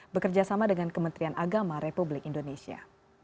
bekerjasama dengan kementerian agama republik indonesia